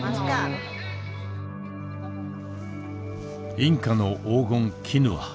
インカの黄金キヌア。